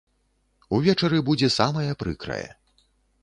Увечары будзе самае прыкрае.